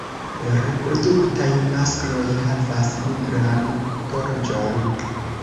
Reproduktaj maskloj havas nigran gorĝon.